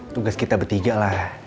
tugas kita bertiga lah